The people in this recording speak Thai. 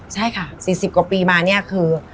ใช่ค่ะ๔๐กว่าปีมาเนี่ยคือ